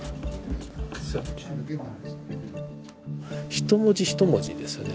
一文字一文字ですよね